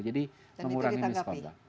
jadi mengurangi miskota